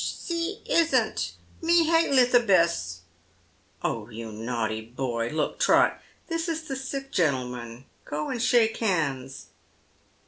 " See isn't. Me hate Lithabess." " Oh, you naughty boy. Look, Trot, this is the sick gentleman. Go and shake hands."